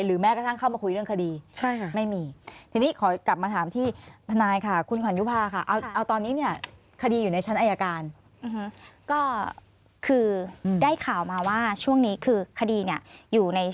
หรือแม่กระทั่งเข้ามาคุยเรื่องคดี